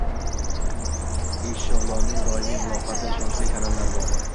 Eshovlonning doimiy muloqoti, ishonchli kanallari bor